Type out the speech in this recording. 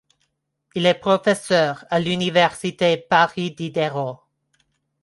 Il est professeur à l'université Paris-Diderot.